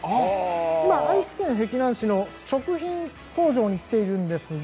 愛知県碧南市の食品工場に来ています。